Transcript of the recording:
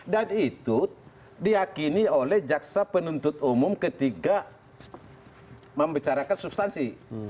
dan itu diakini oleh jaksa penuntut umum ketiga membicarakan substansi